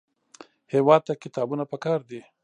هېواد ته کتابونه پکار دي